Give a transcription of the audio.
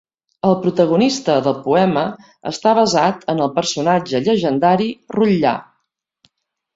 El protagonista del poema està basat en el personatge llegendari Rotllà.